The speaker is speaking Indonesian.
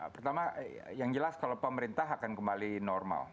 pertama yang jelas kalau pemerintah akan kembali normal